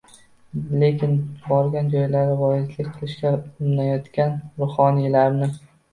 lekin borgan joylarida voizlik qilishga urinayotgan ruhoniylarni;